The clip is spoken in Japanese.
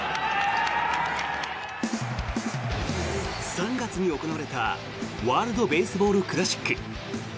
３月に行われたワールド・ベースボール・クラシック。